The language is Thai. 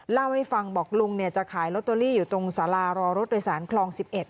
เล่าให้ฟังบอกลุงจะขายโลตอรี่อยู่ตรงสาลารอรดศรษฐ์โครง๑๑